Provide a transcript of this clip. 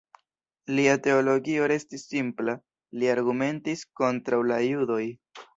Lia teologio restis simpla; li argumentis kontraŭ la judoj.